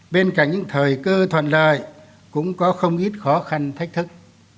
bên cạnh những thời cơ toàn đời cũng có không ít khó khăn thách thức